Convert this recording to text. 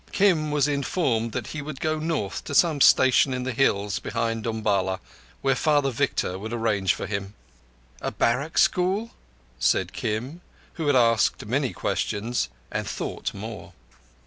Kim was informed that he would go north to some station in the hills behind Umballa, where Father Victor would arrange for him. "A barrack school?" said Kim, who had asked many questions and thought more.